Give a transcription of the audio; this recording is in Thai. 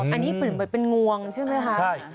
อันนี้เหมือนเป็นงวงใช่ไหมคะ